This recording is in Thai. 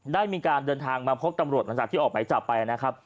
ได้มีการเดินทางมาพบตำรวจหลังจากที่ออกไปจับไป